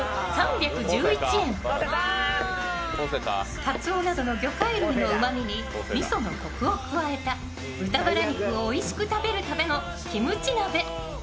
かつおなどの魚介類のうまみみそのコクを加えた豚バラ肉をおいしく食べるためのキムチ鍋。